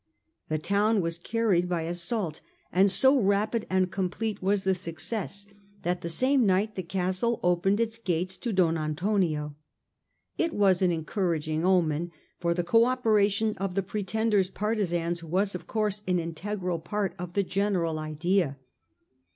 The town wascaiTied by assault, and so rapid and complete was the success that the same night the castle opened its gates to Don Antonio. It was an encouraging omen, for the co operation of the Pretender's partisans was, of course, an integral part of the general idea.